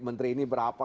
menteri ini berapa